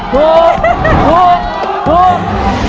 ถูก